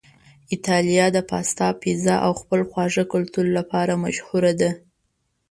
ایتالیا د پاستا، پیزا او خپل خواږه کلتور لپاره مشهوره ده.